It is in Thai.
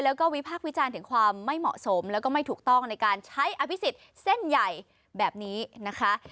แล้วก็วิพากษ์วิจารณ์ถึงความไม่เหมาะสมแล้วก็ไม่ถูกต้องในการใช้อภิษฎเส้นใหญ่แบบนี้นะคะ